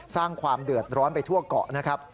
สร้างความเดือดร้อนไปทั่วเกาะนะครับ